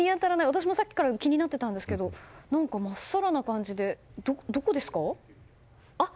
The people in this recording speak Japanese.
私もさっきから気になっていたんですがまっさらな感じでここです。